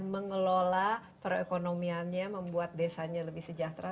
mengelola perekonomiannya membuat desanya lebih sejahtera